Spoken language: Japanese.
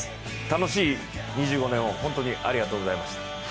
楽しい２５年を本当にありがとうございました。